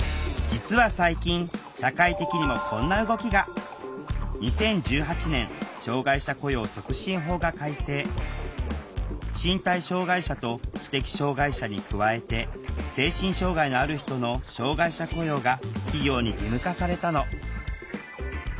実は最近社会的にもこんな動きが身体障害者と知的障害者に加えて精神障害のある人の障害者雇用が企業に義務化されたの。